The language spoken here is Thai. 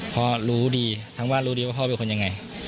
พ่อรู้ดีทั้งบ้านรู้ดีว่าพ่อเป็นคนยังไง